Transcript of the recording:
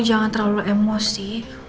jangan terlalu emosi